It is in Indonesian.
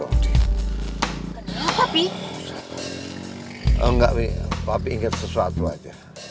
oh enggak nih papi inget sesuatu aja